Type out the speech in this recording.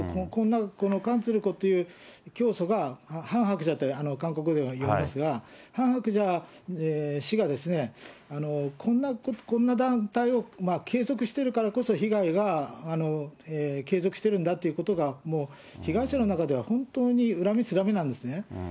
この韓鶴子っていう教祖が、ハン・ハクチャって韓国では呼びますが、ハン・ハクチャ氏が、こんな団体を継続しているからこそ、被害が継続してるんだっていうことが、もう被害者の中では、本当に恨みつらみなんですね。